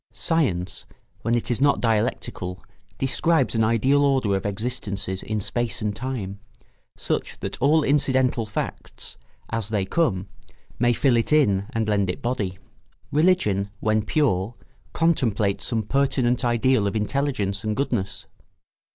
Science, when it is not dialectical, describes an ideal order of existences in space and time, such that all incidental facts, as they come, may fill it in and lend it body. Religion, when pure, contemplates some pertinent ideal of intelligence and goodness.